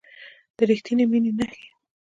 د ریښتینې مینې نښې